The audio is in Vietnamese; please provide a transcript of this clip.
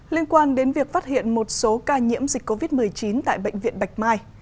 liên quan đến việc phát hiện một số ca nhiễm dịch covid một mươi chín tại bệnh viện bạch mai